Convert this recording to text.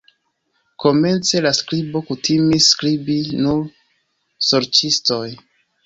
Komence, la skribo kutimis skribi nur sorĉistoj.